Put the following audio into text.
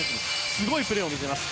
すごいプレーを見せます。